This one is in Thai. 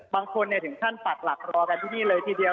บางคนถึงขั้นปักหลักรอกันที่นี่เลยทีเดียว